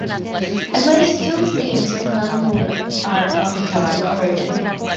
At least two themes in "La Mule" are of Celtic origin.